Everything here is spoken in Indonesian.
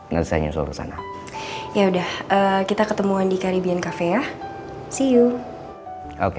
nantinya soalnya ya udah kita ketemuan di caribbean cafe ya see you oke